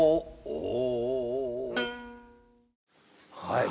はい。